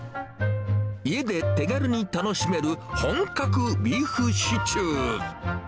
家で手軽に楽しめる本格ビーフシチュー。